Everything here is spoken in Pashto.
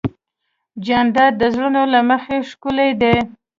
جانداد د زړونو له مخې ښکلی دی.